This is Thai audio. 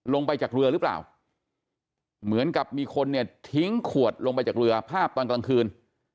ลงไปจากเรือหรือเปล่าเหมือนกับมีคนเนี่ยทิ้งขวดลงไปจากเรือภาพตอนกลางคืน